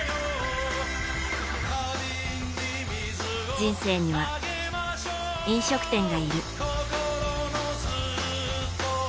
人生には、飲食店がいる。